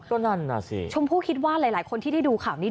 ก็นั่นน่ะสิชมพู่คิดว่าหลายคนที่ได้ดูข่าวนี้